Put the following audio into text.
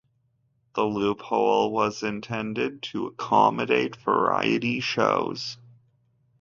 The loophole was intended to accommodate variety shows.